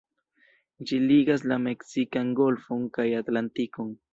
Ĝi ligas la Meksikan Golfon kaj Atlantikon.